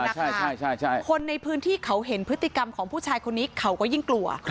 ใครคลั่งแทงคนนะคะคนในพื้นที่เขาเห็นพฤติกรรมของผู้ชายคนนี้เขาก็ยิ่งกลัว